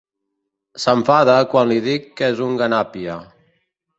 S'enfada quan li dic que és un ganàpia.